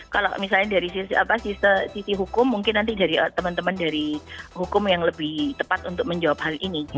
kalau misalnya dari sisi hukum mungkin nanti dari teman teman dari hukum yang lebih tepat untuk menjawab hal ini